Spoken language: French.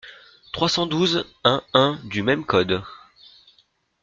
trois cent douze-un-un du même code.